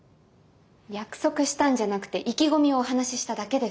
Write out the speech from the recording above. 約束したんじゃなくて意気込みをお話ししただけです。